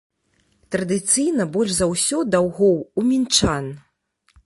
Традыцыйна больш за ўсё даўгоў у мінчан.